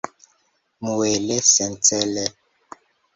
Muele sencele.